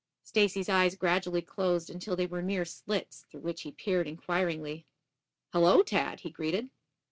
Stacy's eyes gradually closed until they were mere slits, through which he peered inquiringly. "Hullo, Tad," he greeted.